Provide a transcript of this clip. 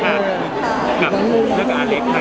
ขอบคุณค่ะ